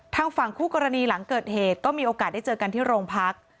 ทางฝั่งคู่กรณีหลังเกิดเหตุก็มีโอกาสได้เจอกันที่โรงพัก